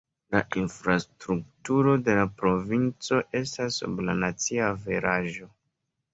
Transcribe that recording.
La infrastrukturo de la provinco estas sub la nacia averaĝo.